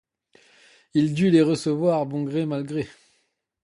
Il dut les recevoir bon gré mal gré.